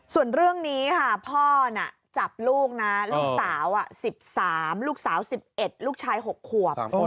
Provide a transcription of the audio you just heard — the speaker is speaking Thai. ส่วนเรื่องนี้ค่ะพ่อน่ะจับลูกนะลูกสาว๑๓ลูกสาว๑๑ลูกชาย๖ขวบ